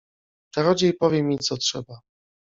— Czarodziej powie mi, co trzeba.